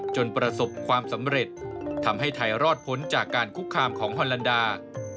ประสบความสำเร็จทำให้ไทยรอดพ้นจากการคุกคามของฮอลลันดา